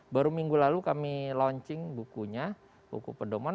baru minggu lalu kami launching bukunya buku pedoman